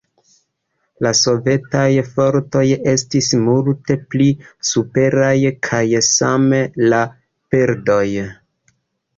La sovetaj fortoj estis multe pli superaj, kaj same la perdoj.